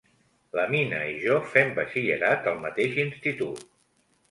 La Mina i jo fem batxillerat al mateix institut.